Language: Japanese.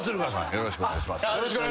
よろしくお願いします。